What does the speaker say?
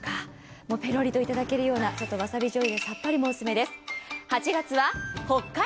ぺろりといただけるような、わさびじょうゆでさっぱりもお勧めです。